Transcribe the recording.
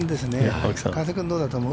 加瀬君、どうだと思う？